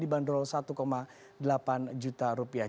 dibanderol satu delapan juta rupiah